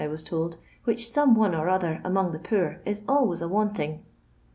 was told, '* which some one or Diflng the poor is always a^wanting."